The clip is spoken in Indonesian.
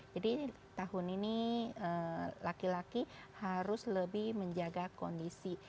jadi tahun ini laki laki harus lebih menjaga kondisi